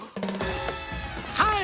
はい！